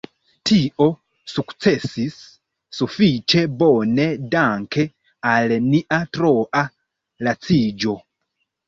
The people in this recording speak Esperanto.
Tio sukcesis sufiĉe bone danke al nia troa laciĝo.